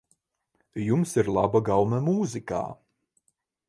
Jums ir laba gaume mūzikā.